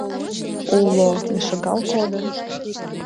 — Уло, но шагал кодын...